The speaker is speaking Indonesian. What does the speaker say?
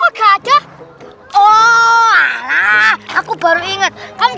operasi relaksasi setisnis